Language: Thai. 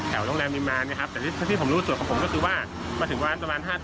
มีการคัดกรองเสร็จปุ๊บเขาใส่แมนเข้ามาแล้วเดินมาที่ตก